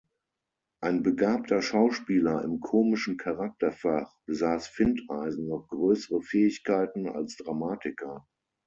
Ein begabter Schauspieler im komischen Charakterfach, besaß Findeisen noch größere Fähigkeiten als Dramatiker.